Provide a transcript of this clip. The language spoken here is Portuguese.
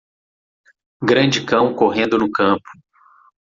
Grande cão correndo no campo.